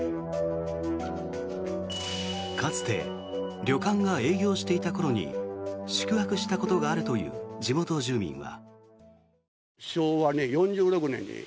かつて、旅館が営業していた頃に宿泊したことがあるという地元住民は。